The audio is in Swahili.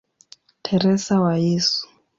Teresa wa Yesu".